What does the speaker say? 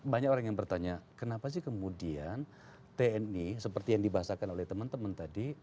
banyak orang yang bertanya kenapa sih kemudian tni seperti yang dibahasakan oleh teman teman tadi